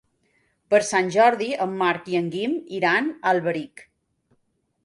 Per Sant Jordi en Marc i en Guim iran a Alberic.